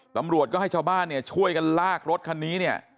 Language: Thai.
ตำรวจก็ให้ชาวบ้านช่วยกันลากรถคันนี้